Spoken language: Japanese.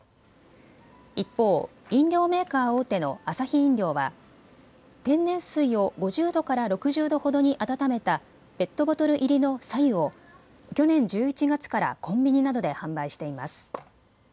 一方、飲料メーカー大手のアサヒ飲料は天然水を５０度から６０度ほどに温めたペットボトル入りのさ湯を去年１１月からコンビニなどで販売しています。